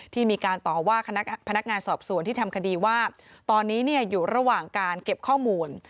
ที่มีการต่อว่าพนักงานสอบสวนที่ทำคดีว่าตอนนี้อยู่ระหว่างการเก็บข้อมูล